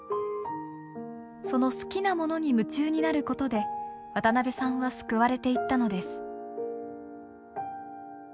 その好きなものに夢中になることで渡さんは救われていったのです。